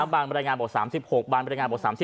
บรรยายงานบอก๓๖บางบรรยายงานบอก๓๐